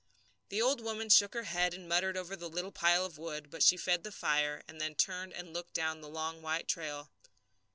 The old woman shook her head and muttered over the little pile of wood, but she fed the fire, and then turned and looked down the long white trail.